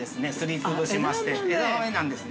◆枝豆なんですね。